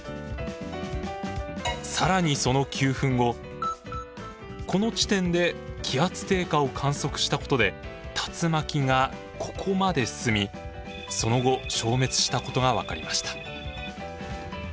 更にその９分後この地点で気圧低下を観測したことで竜巻がここまで進みその後消滅したことが分かりました。